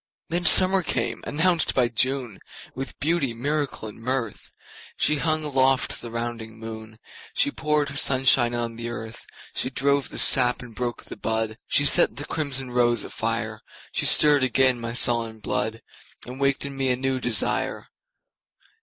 Then summer came, announced by June, With beauty, miracle and mirth. She hung aloft the rounding moon, She poured her sunshine on the earth, She drove the sap and broke the bud, She set the crimson rose afire. She stirred again my sullen blood, And waked in me a new desire.